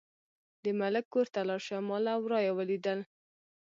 د ملک کور ته لاړه شه، ما له ورايه ولیدل.